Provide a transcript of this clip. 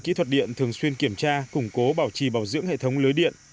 kỹ thuật điện thường xuyên kiểm tra củng cố bảo trì bảo dưỡng hệ thống lưới điện